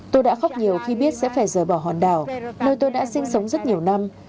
tôi đã khóc nhiều khi biết sẽ phải rời bỏ hòn đảo nơi tôi đã sinh sống rất nhiều năm